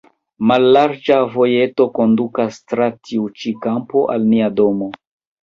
Mallarĝa vojeto kondukas tra tiu ĉi kampo al nia domo.